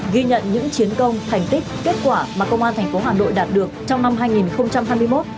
ghi nhận những chiến công thành tích kết quả mà công an thành phố hà nội đạt được trong năm hai nghìn hai mươi một